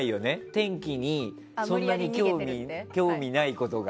天気にそんなに興味ないことが。